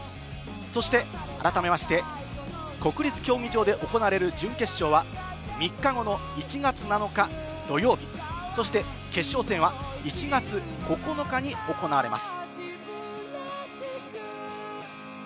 改めまして、国立競技場で行われる準決勝は、３日後の１月７日土曜日、決勝戦は１月９日に行われます。